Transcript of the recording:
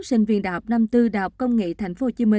sinh viên đh năm mươi bốn đh công nghệ tp hcm